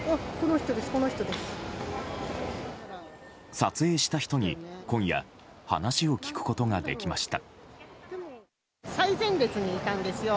撮影した人に今夜、話を聞くことができました。